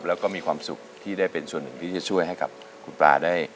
แล้วก็มีความสุขที่ได้เป็นส่วนหนึ่งที่จะช่วยให้กับคุณปลาได้